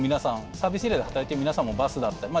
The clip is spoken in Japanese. サービスエリアで働いている皆さんもバスだったりまあ